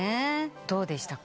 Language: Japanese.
どうでしたか？